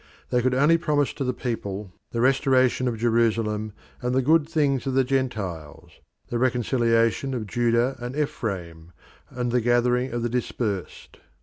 They could only promise to the people the restoration of Jerusalem and the good things of the Gentiles; the reconciliation of Judah and Ephraim, and the gathering of the dispersed.